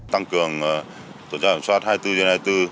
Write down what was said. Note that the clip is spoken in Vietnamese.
tăng cường tổ chức ẩm soát hai mươi bốn trên hai mươi bốn